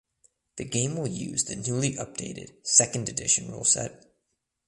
The game will use the newly updated Second Edition ruleset.